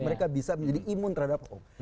mereka bisa menjadi imun terhadap om